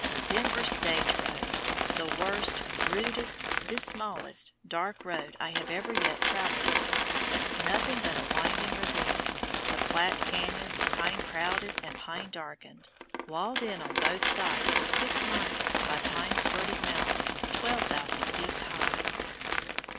"Denver stage road!" The worst, rudest, dismallest, darkest road I have yet traveled on, nothing but a winding ravine, the Platte canyon, pine crowded and pine darkened, walled in on both sides for six miles by pine skirted mountains 12,000 feet high!